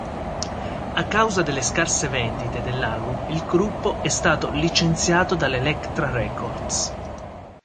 A causa delle scarse vendite dell'album, il gruppo è stato licenziato dall'Elektra Records.